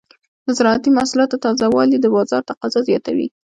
د زراعتي محصولاتو تازه والي د بازار تقاضا زیاتوي.